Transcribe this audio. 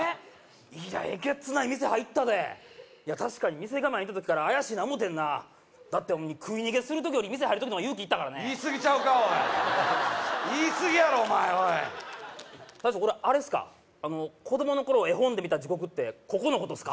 いやえげつない店入ったで確かに店構え見た時から「怪しいな」思てんなだって食い逃げする時より店入る時の方が勇気いったからね言いすぎちゃうかおい言いすぎやろお前おい大将これあれっすか子供の頃絵本で見た地獄ってここのことっすか？